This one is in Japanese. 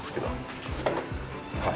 はい。